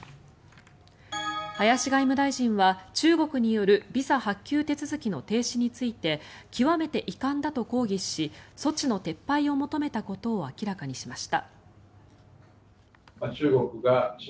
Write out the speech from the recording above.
林外務大臣は、中国によるビザ発給手続きの停止について極めて遺憾だと抗議し措置の撤廃を求めたことを明らかにしました。